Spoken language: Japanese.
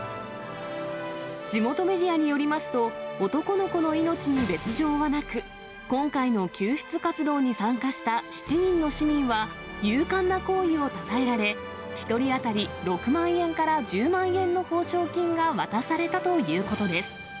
地元メディアによりますと、男の子の命に別状はなく、今回の救出活動に参加した７人の市民は、勇敢な行為をたたえられ、１人当たり６万円から１０万円の褒賞金が渡されたということです。